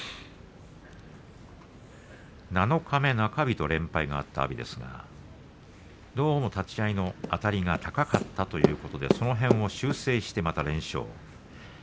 七日目、中日と連敗があった阿炎ですがどうも立ち合いのあたりが高かったということでその辺を修正してまた連勝。